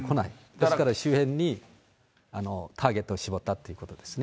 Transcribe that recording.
ですから周辺にターゲットを絞ったということですね。